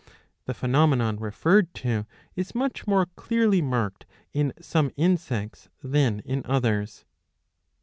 ''^ The phenomenon referred to is much more clearly marked in some insects than in others.